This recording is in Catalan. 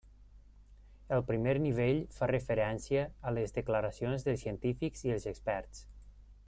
El primer nivell fa referència a les declaracions dels científics i els experts.